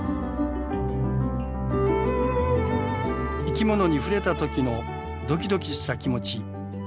生き物に触れた時のドキドキした気持ち。